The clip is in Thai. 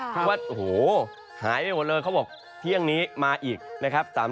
เพราะว่าโอ้โหหายไปหมดเลยเขาบอกเที่ยงนี้มาอีกนะครับ